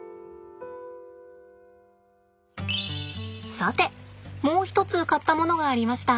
さてもう一つ買ったものがありました。